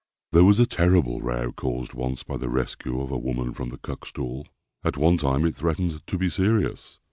There was a terrible row caused once by the rescue of a woman from the Cuckstool. At one time it threatened to be serious.